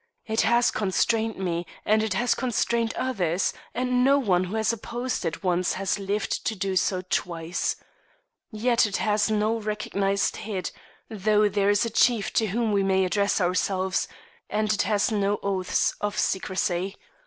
It has constrained me and it has constrained others, and no one who has opposed it once has lived to do so twice. Yet it has no recognized head (though there is a chief to whom we may address ourselves), and it has no oaths of secrecy.